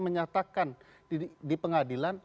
menyatakan di pengadilan